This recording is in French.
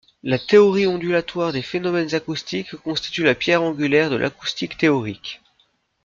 La théorie ondulatoire des phénomènes acoustiques constitue la pierre angulaire de l'acoustique théorique.